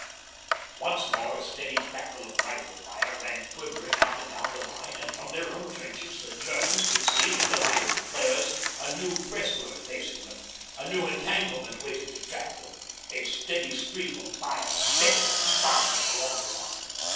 Once more a steady crackle of rifle fire ran quivering up and down the line, and from their own trenches the Germans could see, in the light of the flares, a new breastwork facing them, a new entanglement waiting to trap them, a steady stream of fire spitting and sparkling along the line.